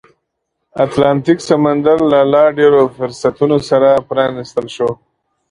اتلانتیک سمندر له لا ډېرو فرصتونو سره پرانیستل شو.